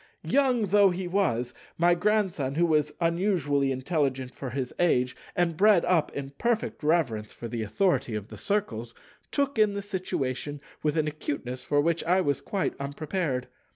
Young though he was, my Grandson—who was unusually intelligent for his age, and bred up in perfect reverence for the authority of the Circles—took in the situation with an acuteness for which I was quite unprepared.